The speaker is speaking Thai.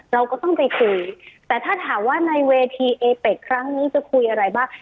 เราก็ต้องไปคุยแต่ถ้าถามว่าในเวทีเอเป็กครั้งนี้จะคุยอะไรบ้าง